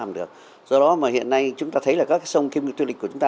do đó mà hiện nay chúng ta thấy là các sông kim lực tuyệt lịch của chúng ta